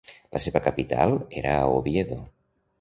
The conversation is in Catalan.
La seva capital era a Oviedo.